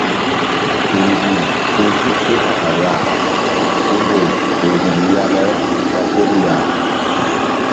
Fe mbih ti̧h suk ke kala ya gundoy toh mbih ya le ta tel ya.